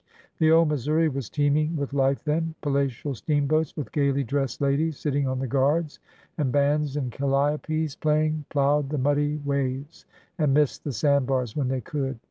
The old Missouri was teeming with life then. Palatial steamboats, with gaily dressed ladies sitting on the guards, and bands and calliopes playing, plowed the muddy waves and missed the sand bars when they could.